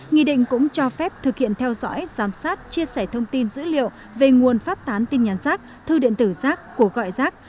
nghị định cũng cho phép thực hiện theo dõi giám sát chia sẻ thông tin dữ liệu về nguồn phát tán tin nhắn rác thư điện tử rác cuộc gọi rác